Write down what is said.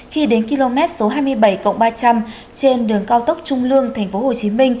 khi đến km số hai mươi bảy ba trăm linh trên đường cao tốc trung lương tp hcm